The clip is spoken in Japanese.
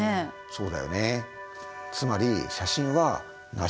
そうだよね。